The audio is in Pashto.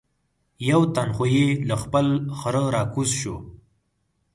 یو تن خو یې له خپل خره را کوز شو.